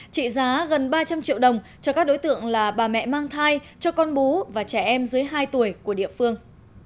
trị giá gần ba trăm linh triệu đồng cho các đối tượng là bà mẹ mang thai cho con bú và trẻ em dưới hai tuổi của địa phương